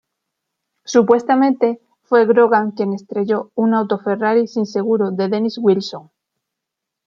Supuestamente, fue Grogan quien estrelló un auto Ferrari sin seguro de Dennis Wilson.